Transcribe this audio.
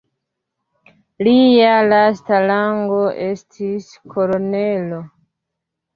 Lia lasta rango estis kolonelo.